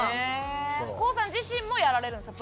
ＫＯＯさん自身もやられるんですか？